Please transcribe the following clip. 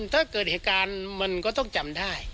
ถ้าเกิดเหตุการณ์มันก็ต้องจำได้